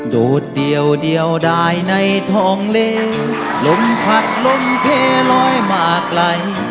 โดดเดียวได้ในทองเลลมผักลมเพลร้อยมาไกล